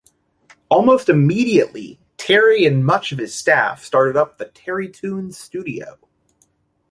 Almost immediately, Terry and much of his staff started up the Terrytoons studio.